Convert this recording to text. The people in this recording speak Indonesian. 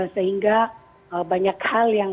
sehingga banyak hal yang